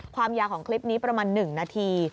ความยาวของคลิปนี้ประมาณ๑นาที